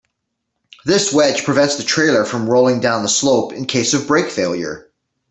This wedge prevents the trailer from rolling down the slope in case of brake failure.